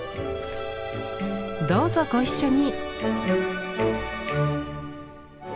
どうぞご一緒に！